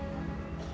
terus dia ditangkap